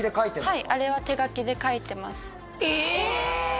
はいあれは手描きで描いてますえ！